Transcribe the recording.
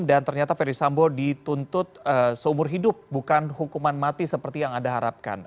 dan ternyata ferry sambo dituntut seumur hidup bukan hukuman mati seperti yang anda harapkan